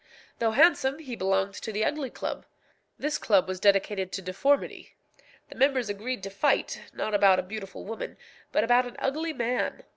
Though handsome, he belonged to the Ugly Club. This club was dedicated to deformity. The members agreed to fight, not about a beautiful woman, but about an ugly man.